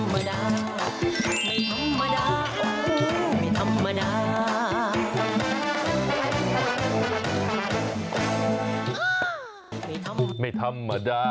ไม่ธรรมดาไม่ธรรมดาไม่ธรรมดา